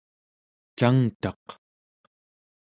cangtaq